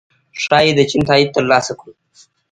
ښايي د چین تائید ترلاسه کړو